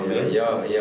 terpeterkan lo kan ya